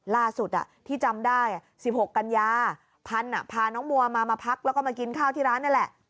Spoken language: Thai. ล่าสุดที่จำได้๑๖กันยาพันธุ์พาน้องมัวมามาพักแล้วก็มากินข้าวที่ร้านนี่แหละ